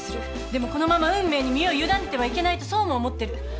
でもこのまま運命に身を委ねてはいけないとそうも思ってる。